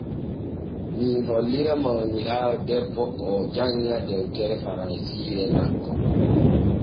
Mii hollira mawniraawo debbo oo janŋa dewtere faransiire makko.